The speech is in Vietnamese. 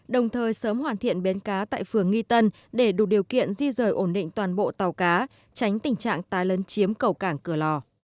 đồng thời sớm hoàn thiện bến cá tại phường nghi tân để đủ điều kiện di rời ổn định toàn bộ tàu cá tránh tình trạng tai lấn chiếm cầu cảng cửa lò